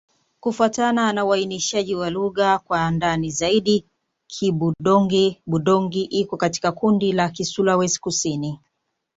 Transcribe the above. Kufuatana na uainishaji wa lugha kwa ndani zaidi, Kibudong-Budong iko katika kundi la Kisulawesi-Kusini.